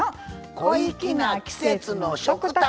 「小粋な季節の食卓」。